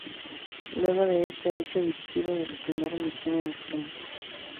Luego de este hecho, dirigió su primera misión en España.